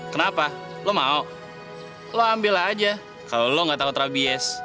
kenapa lo mau lo ambil aja kalau lo gak tahu terabies